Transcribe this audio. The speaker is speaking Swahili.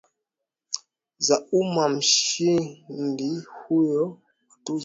za ummaMshindi huyo wa tuzo ya Nobel alikuwa mtetezi mkuu wa haki za